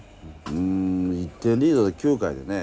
うん１点リードで９回でね